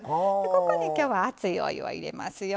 ここに今日は熱いお湯を入れますよ。